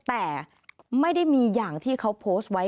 แต่ไม่ได้มีอย่างที่เขาโพสต์ไว้